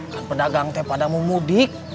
kan pedagang teh pada mau mudik